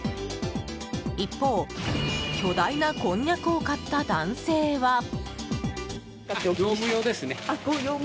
一方、巨大なこんにゃくを買った男性は？